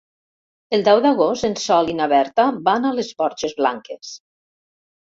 El deu d'agost en Sol i na Berta van a les Borges Blanques.